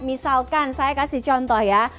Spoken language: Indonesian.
misalkan saya kasih contoh ya